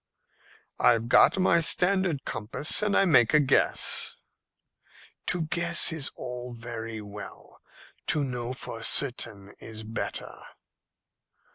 "I've got my standard compass, and I make a guess." "To guess is all very well. To know for certain is better."